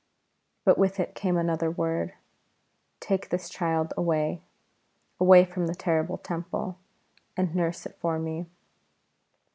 But with it came another word: "Take this child away (away from the terrible Temple) and nurse it for Me."